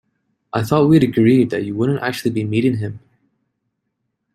I thought we'd agreed that you wouldn't actually be meeting him?